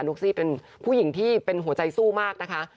ุ๊กซี่เป็นผู้หญิงที่เป็นหัวใจสู้มากนะคะ